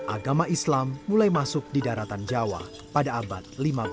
agama islam mulai masuk di daratan jawa pada abad lima belas